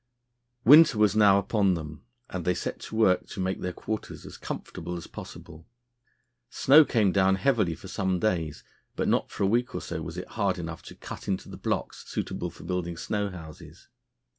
Winter was now upon them, and they set to work to make their quarters as comfortable as possible. Snow came down heavily for some days, but not for a week or so was it hard enough to cut into the blocks suitable for building snow houses.